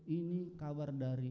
ini kabar dari